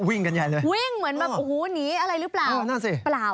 วิ่งเหมือนหูนิอะไรรึเปล่า